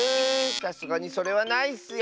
さすがにそれはないッスよ。